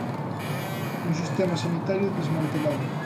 Un sistema sanitario desmantelado.